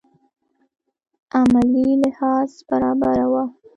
عملي لحاظ برابره وه.